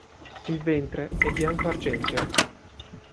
Il ventre è bianco-argenteo.